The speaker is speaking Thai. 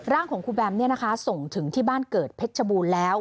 ร่างของครูแบมส่งถึงที่บ้านเกิดเพชรชบูรณ์แล้ว